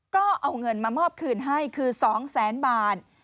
ก็เอาเงินมามอบคืนให้คือ๒แสนบาท